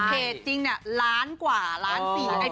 จริงเนี่ยล้านกว่าล้านสี่